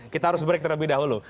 kita harus break terlebih dahulu